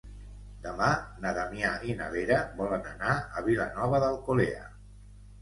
Demà na Damià i na Vera volen anar a Vilanova d'Alcolea.